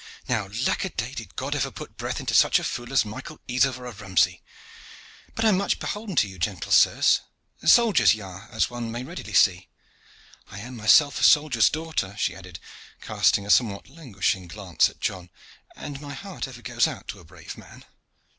Now, lack a day! did God ever put breath into such a fool as Michael Easover of Romsey? But I am much beholden to you, gentle sirs. Soldiers ye are, as one may readily see. I am myself a soldier's daughter," she added, casting a somewhat languishing glance at John, "and my heart ever goes out to a brave man."